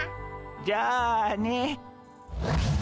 じゃあね。